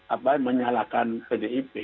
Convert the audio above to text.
apa menyalahkan pdiv